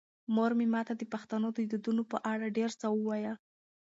مور مې ماته د پښتنو د دودونو په اړه ډېر څه وویل.